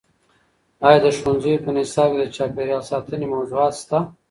ایا د ښوونځیو په نصاب کې د چاپیریال ساتنې موضوعات شته؟